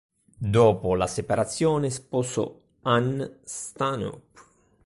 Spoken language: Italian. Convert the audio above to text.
Dopo la separazione sposò Anne Stanhope.